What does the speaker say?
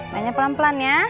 mainnya pelan pelan ya